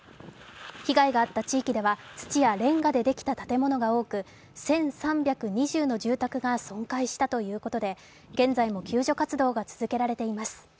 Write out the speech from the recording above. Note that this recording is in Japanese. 被害あった地域では土やれんがでできた建物が多く１３２０の住宅が損壊したということで現在も救助活動が続けられています。